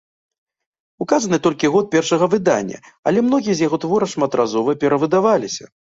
Указаны толькі год першага выдання, але многія з яго твораў шматразова перавыдаваліся.